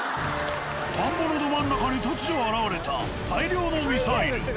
田んぼのド真ん中に突如現れた大量のミサイル。